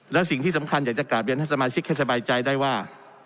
และสิ่งที่สำคัญอยากจะกลับเรียนให้สมาชิกให้สบายใจได้ว่า